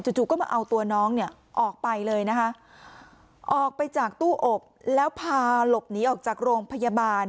จู่ก็มาเอาตัวน้องเนี่ยออกไปเลยนะคะออกไปจากตู้อบแล้วพาหลบหนีออกจากโรงพยาบาล